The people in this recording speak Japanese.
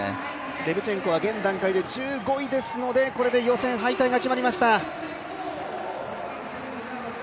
レブチェンコは現段階で１５位ですので、これで予選敗退が決まりました。